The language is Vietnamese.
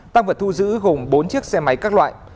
tăng vật thu giữ gồm bốn chiếc xe máy các loại